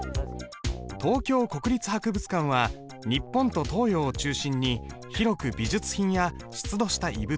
東京国立博物館は日本と東洋を中心に広く美術品や出土した遺物